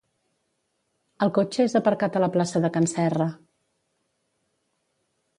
El cotxe és aparcat a la plaça de can Serra